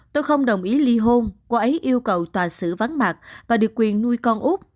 tôi không đồng ý ly hôn cô ấy yêu cầu tòa sử vắng mặt và được quyền nuôi con út